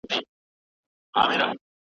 قاموسونه هم بايد په برېښنايي بڼه خپاره شي.